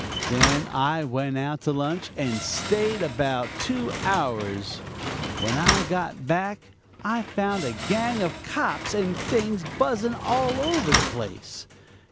"Then I went out to lunch and stayed about two hours; when I got back I found a gang of cops and things buzzing all over the place.